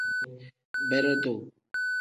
Beredu.